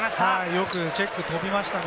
よくチェック、飛びましたね。